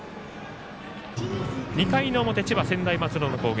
２回の表、千葉・専大松戸の攻撃。